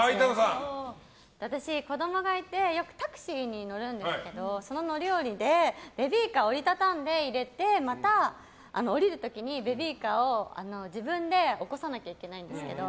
私、子供がいてよくタクシーに乗るんですけどその乗り降りでベビーカーを折り畳んで入れてまた降りる時にベビーカーを自分で起こさなきゃいけないんですけど。